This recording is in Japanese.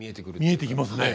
見えてきますね。